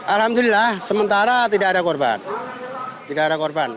alhamdulillah sementara tidak ada korban tidak ada korban